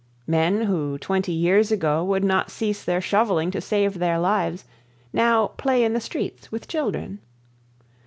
Men who, twenty years ago, would not cease their shoveling to save their lives, now play in the streets with children.